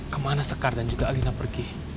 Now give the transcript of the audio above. kemana sekar dan juga alina pergi